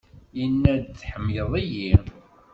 Yenna-d, Tḥemmleḍ-iyi?